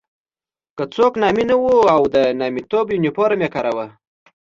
که څوک نامي نه وو او د نامیتوب یونیفورم یې کاراوه.